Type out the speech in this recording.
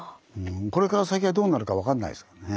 これから先はどうなるか分かんないですからね。